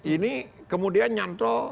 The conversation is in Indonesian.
ini kemudian nyantol